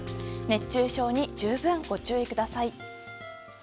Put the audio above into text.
熱中症に十分ご注意ください。